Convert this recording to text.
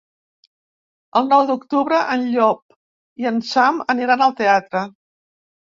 El nou d'octubre en Llop i en Sam aniran al teatre.